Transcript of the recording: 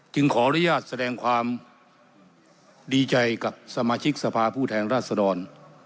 ขออนุญาตแสดงความดีใจกับสมาชิกสภาผู้แทนราชดร